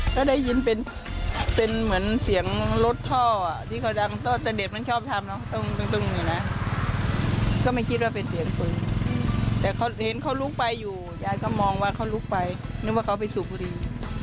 ก็ได้ยินเป็นเหมือนเสียงรถท่อที่เขาดังท่อแต่เด็กมันชอบทำเนอะก็ไม่คิดว่าเป็นเสียงปืนแต่เขาเห็นเขาลุกไปอยู่ยายก็มองว่าเขาลุกไปนึกว่าเขาไปสูบบุรี